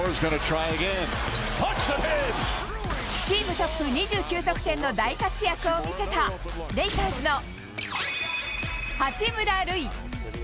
チームトップ２９得点の大活躍を見せた、レイカーズの八村塁。